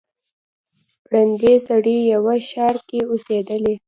ړوند سړی په یوه ښار کي اوسېدلی